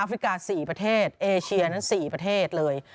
ริกา๔ประเทศเอเชียนั้น๔ประเทศเลย